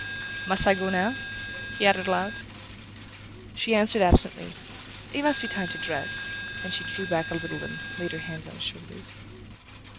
Must I go now?" he added aloud. She answered absently: "It must be time to dress"; then she drew back a little and laid her hands on his shoulders.